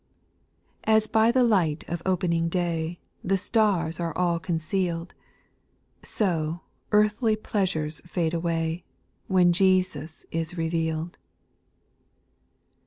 3. As by the light of opening day. The stars are all conceal'd. So earthly pleasures fade away. When Jesus is reveal'd.